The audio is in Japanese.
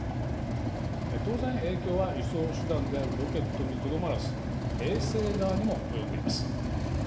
当然、影響は輸送手段であるロケットにとどまらず衛星側にも及んでいます。